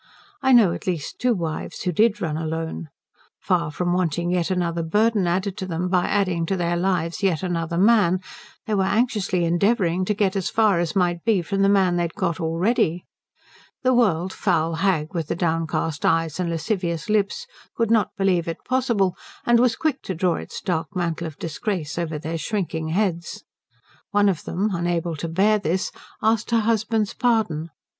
I know at least two wives who did run alone. Far from wanting yet another burden added to them by adding to their lives yet another man, they were anxiously endeavouring to get as far as might be from the man they had got already. The world, foul hag with the downcast eyes and lascivious lips, could not believe it possible, and was quick to draw its dark mantle of disgrace over their shrinking heads. One of them, unable to bear this, asked her husband's pardon.